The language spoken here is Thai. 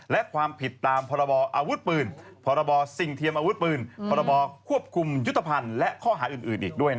และความผิดตามพรอปืนพรสิ่งเทียมอาวุธปืนพรควบคุมยุตภัณฑ์และข้อหาอื่น